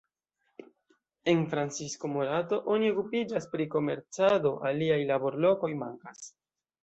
En Francisco Morato oni okupiĝas pri komercado, aliaj laborlokoj mankas.